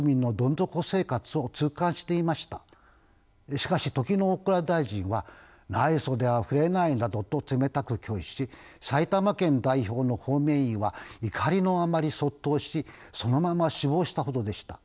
しかし時の大蔵大臣はない袖は振れないなどと冷たく拒否し埼玉県代表の方面委員は怒りのあまり卒倒しそのまま死亡したほどでした。